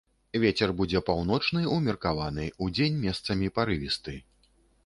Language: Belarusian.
Вецер будзе паўночны ўмеркаваны, удзень месцамі парывісты.